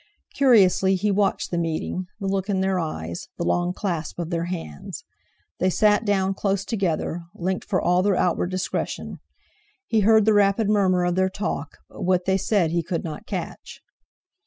Curiously he watched the meeting, the look in their eyes, the long clasp of their hands. They sat down close together, linked for all their outward discretion. He heard the rapid murmur of their talk; but what they said he could not catch.